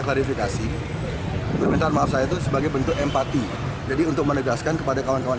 klarifikasi permintaan maaf saya itu sebagai bentuk empati jadi untuk menegaskan kepada kawan kawan